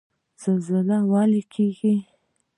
زلزله ولې کیږي؟